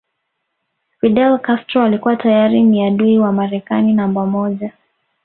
Fidel Castro alikuwa tayari ni adui wa Marekani namba moja